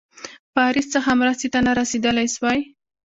پاریس څخه مرستي ته نه رسېدلای سوای.